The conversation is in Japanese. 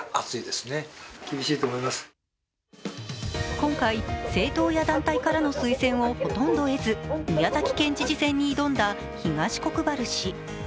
今回、政党や団体からの推薦をほとんど得ず、宮崎県知事選に挑んだ東国原氏。